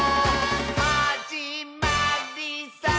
「はじまりさー」